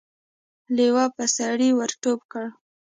لېوه په سړي ور ټوپ کړ.